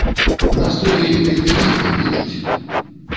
Нас туды вельмі дзіўна клічуць.